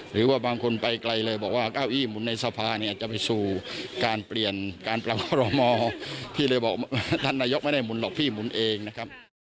หรือว่าบางคนไปไกลเลยบอกว่าเก้าอี้หมุนในสภาเนี่ยจะไปสู่การเปลี่ยนการปรับคอรมอพี่เลยบอกท่านนายกไม่ได้หมุนหรอกพี่หมุนเองนะครับ